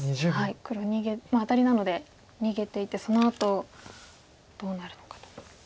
黒アタリなので逃げていってそのあとどうなるのかと。